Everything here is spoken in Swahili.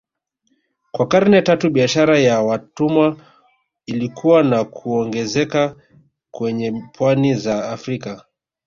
Kwa karne tatu biashara ya watumwa ilikua na kuongezeka kwenye pwani za Afrika